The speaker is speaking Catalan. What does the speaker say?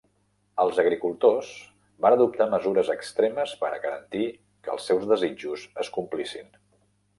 Els agricultors van adoptar mesures extremes per a garantir que els seus desitjos es complissin.